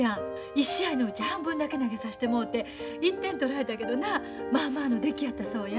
１試合のうち半分だけ投げさしてもうて１点取られたけどなまあまあの出来やったそうや。